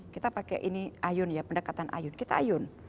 kita pakai ini ayun ya pendekatan ayun kita ayun